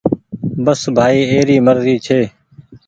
بس ڀآئي اي ري مرزي ڇي۔